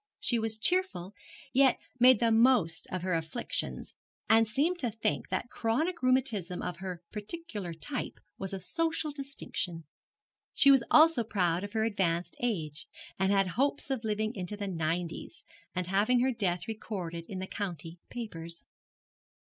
She was cheerful, yet made the most of her afflictions, and seemed to think that chronic rheumatism of her particular type was a social distinction. She was also proud of her advanced age, and had hopes of living into the nineties, and having her death recorded in the county papers.